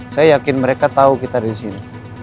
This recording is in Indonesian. saya yakin mereka tau kita ada disini